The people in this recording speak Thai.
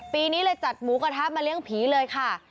ปีนี้เลยจัดหมูกระทะมาเลี้ยงผีเลยค่ะ